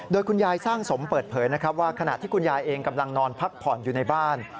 โดยคุณยายสร้างสมเปิดเผยนะครับว่าขณะที่คุณยายเองกำลังนอนพักผ่อนอยู่ในบ้าน